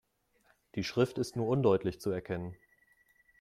Die Schrift ist nur undeutlich zu erkennen.